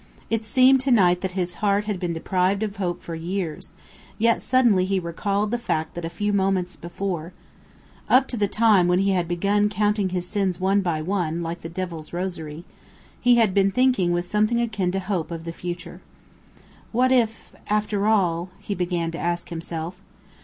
It seemed to Knight that his heart had been deprived of hope for years, yet suddenly he recalled the fact that a few moments before up to the time when he had begun counting his sins one by one, like the devil's rosary he had been thinking with something akin to hope of the future. "What if, after all " he began to ask himself.